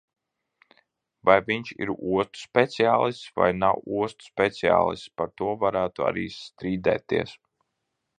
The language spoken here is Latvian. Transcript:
Vai viņš ir ostu speciālists vai nav ostu speciālists, par to varētu arī strīdēties.